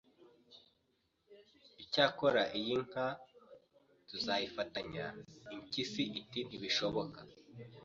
Icyakora iyi nka tuzayifatanya Impyisi iti Ntibishoboka